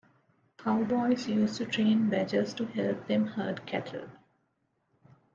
Cowboys used to train badgers to help them herd cattle.